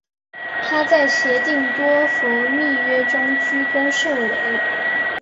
她在协定多佛密约中居功甚伟。